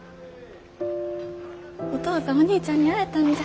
お父さんお兄ちゃんに会えたんじゃ。